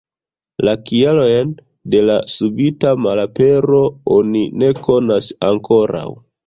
La kialojn de la subita malapero oni ne konas ankoraŭ.